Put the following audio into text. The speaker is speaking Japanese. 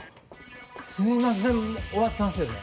すいません終わってますよね？